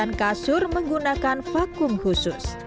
dan kasur menggunakan vakum khusus